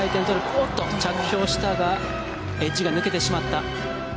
おっと、着氷したがエッジが抜けてしまった。